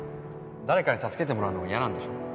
誰かに助けてもらうのが嫌なんでしょ？